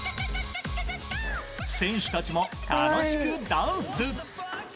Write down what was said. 選手たちも楽しくダンス。